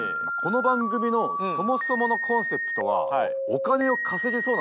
この番組のそもそものコンセプトは。